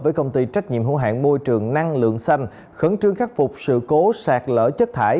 với công ty trách nhiệm hữu hạng môi trường năng lượng xanh khẩn trương khắc phục sự cố sạt lở chất thải